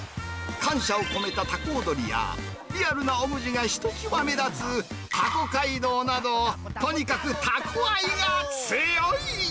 感謝を込めたタコ踊りや、リアルなオブジェがひときわ目立つタコ街道など、とにかくタコ愛が強い！